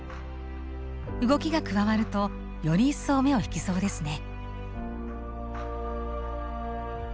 動きが加わるとより一層目を引きそうですね。